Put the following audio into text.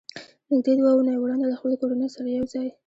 نږدې دوه اوونۍ وړاندې له خپلې کورنۍ سره یو ځای